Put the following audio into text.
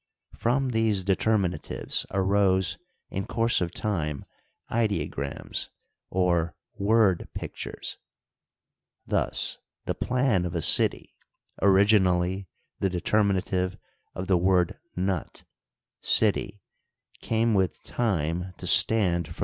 From these determinatives arose in course of time ideograms, or word pictures. Thus the plan of a city, originally the determinative of the word nut, "city," came with time to stand for.